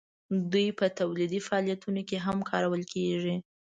دوی په تولیدي فعالیتونو کې هم کارول کیږي.